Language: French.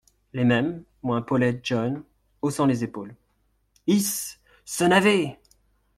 Les Mêmes, moins Paulette John, haussant les épaules. — Isse !… ce navet !…